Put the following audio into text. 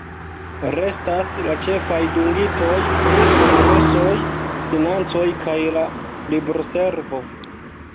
Restas la ĉefaj dungitoj pri Kongresoj, financoj kaj la libroservo.